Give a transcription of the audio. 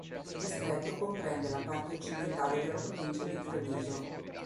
Il distretto comprende la parte occidentale della provincia di Treviso.